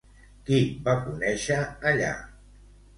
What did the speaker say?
Qui va conèixer allà?